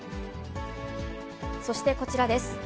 そしてこちらです。